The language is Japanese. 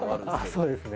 そうですね。